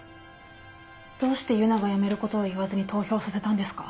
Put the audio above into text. どうして佑奈が辞めることを言わずに投票させたんですか？